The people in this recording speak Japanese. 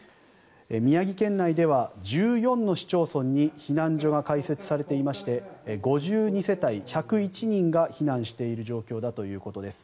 宮城県内では１４の市町村に避難所が開設されていまして５２世帯１０１人が避難している状況だということです。